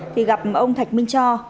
thì gặp ông thạch minh cho